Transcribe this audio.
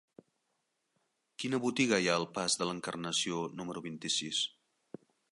Quina botiga hi ha al pas de l'Encarnació número vint-i-sis?